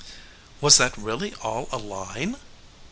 "Was that really all a line?"